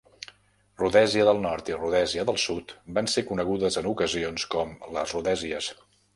Rodesia del Nord i Rodesia del Sud van ser conegudes, en ocasions, com "les Rodesies".